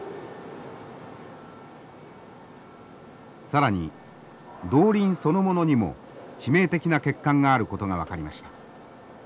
更に動輪そのものにも致命的な欠陥があることが分かりました。